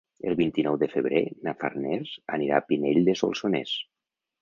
El vint-i-nou de febrer na Farners anirà a Pinell de Solsonès.